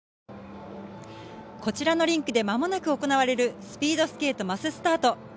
こちらのリンクで間もなく行われるスピードスケートマススタート。